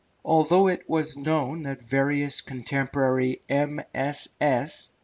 Although it was known that various contemporary MSS.